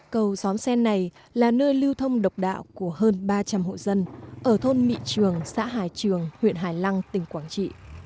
cầu xóm sen này là nơi lưu thông độc đạo của hơn ba trăm linh hộ dân ở thôn mỹ trường xã hải trường huyện hải lăng tỉnh quảng trị